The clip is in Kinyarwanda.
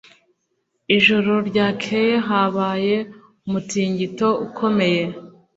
Ijoro ryakeye habaye umutingito ukomeye.